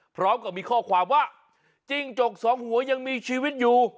พร้อมกับมีข้อความว่าจิ้งจกสองหัวยังมีชีวิตอยู่